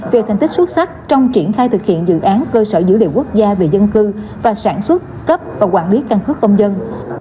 về thành tích xuất sắc trong triển khai thực hiện dự án cơ sở dữ liệu quốc gia về dân cư và sản xuất cấp và quản lý căn cước công dân